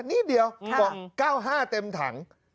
นิดเดียวบอก๙๕เต็มถัง